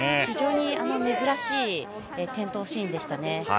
非常に珍しい転倒シーンでしたね。